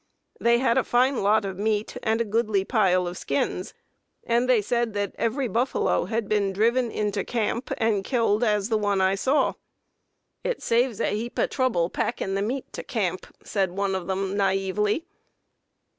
"They had a fine lot of meat and a goodly pile of skins, and they said that every buffalo had been driven into camp and killed as the one I saw. 'It saves a heap of trouble packing the meat to camp,' said one of them, naively."